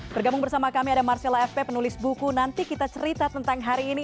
bergabung bersama kami ada marcella fp penulis buku nanti kita cerita tentang hari ini